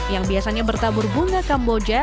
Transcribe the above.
yang biasanya bertabur bunga kamboja